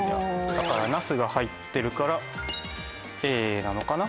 だから「ナス」が入ってるからＡなのかな。